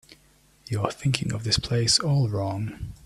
You're thinking of this place all wrong.